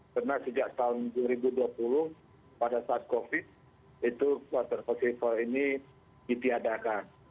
karena sejak tahun dua ribu dua puluh pada saat covid itu water possible ini ditiadakan